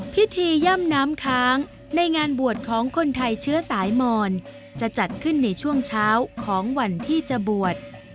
ย่ำน้ำค้างในงานบวชของคนไทยเชื้อสายมอนจะจัดขึ้นในช่วงเช้าของวันที่จะบวช